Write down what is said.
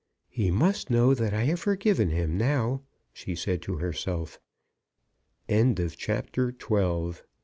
"He must know that I have forgiven him now!" she said to herself. CHAPTER XIII. MR.